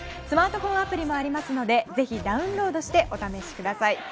スマートフォンアプリもありますのでぜひダウンロードしてお試しください。